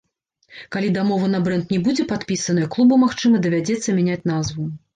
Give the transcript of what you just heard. Калі дамова на брэнд не будзе падпісаная, клубу, магчыма, давядзецца мяняць назву.